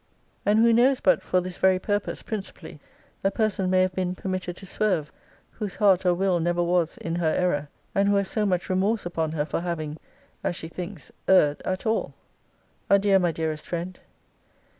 And who knows but, for this very purpose, principally, a person may have been permitted to swerve, whose heart or will never was in her error, and who has so much remorse upon her for having, as she thinks, erred at all? Adieu, my dearest friend.